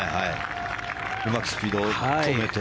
うまくスピードを止めて。